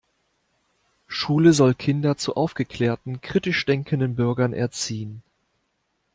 Schule soll Kinder zu aufgeklärten, kritisch denkenden Bürgern erziehen.